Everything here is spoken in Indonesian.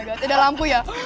ada lampu ya